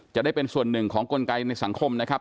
จะเป็นส่วนหนึ่งของกลไกในสังคมนะครับ